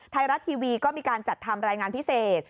ไทยรัฐทีวีก็มีการจัดทำรายงานพิเศษ